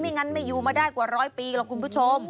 งั้นไม่อยู่มาได้กว่าร้อยปีหรอกคุณผู้ชม